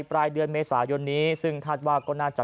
ปลายเดือนเมษายนนี้ซึ่งคาดว่าก็น่าจะ